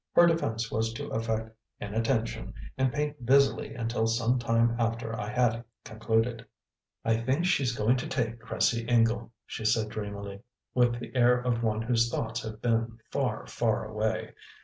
Her defence was to affect inattention and paint busily until some time after I had concluded. "I think she's going to take Cressie Ingle," she said dreamily, with the air of one whose thoughts have been far, far away.